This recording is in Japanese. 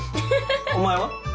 お前は？